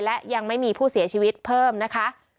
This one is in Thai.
และยังไม่มีผู้เสียชีวิตเพิ่มนะคะ